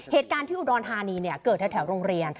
เหตุการณ์ที่อุดรธานีเกิดแถวโรงเรียน